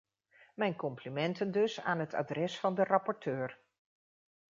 Mijn complimenten dus aan het adres van de rapporteur.